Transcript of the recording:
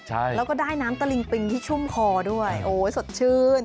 ใช่แล้วก็ได้น้ำตะลิงปิงที่ชุ่มคอด้วยโอ้ยสดชื่น